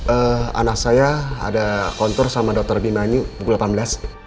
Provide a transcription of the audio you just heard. eh anak saya ada kontur sama dr bimani pukul delapan belas